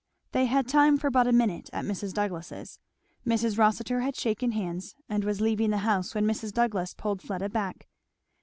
They had time for but a minute at Mrs. Douglass's. Mrs. Rossitur had shaken hands and was leaving the house when Mrs. Douglass pulled Fleda back.